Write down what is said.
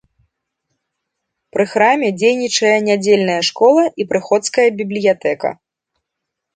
Пры храме дзейнічае нядзельная школа і прыходская бібліятэка.